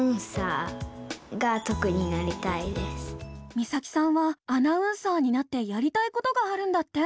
実咲さんはアナウンサーになってやりたいことがあるんだって。